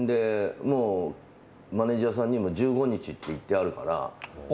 もう、マネジャーさんにも１５日って言ってあるから。